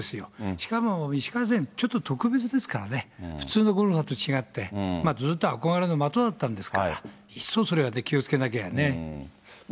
しかも石川選手、ちょっと特別ですからね、普通のゴルファーと違って、ずっと憧れの的だったんですから、一層それは気をつけなきゃね。